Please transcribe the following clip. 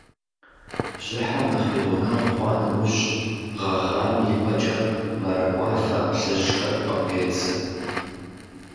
Бжьыхьэм нэхъ и гъунэгъу хъуа нэужь, гъэгъам и пӀэкӀэ мэракӀуафэ плъыжьхэр къыпедзэ.